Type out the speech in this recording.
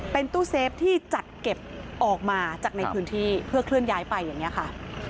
เป็นตู้เซฟที่จัดเก็บออกมาจากในพื้นที่เพื่อเคลื่อนย้ายไปอย่างนี้ค่ะ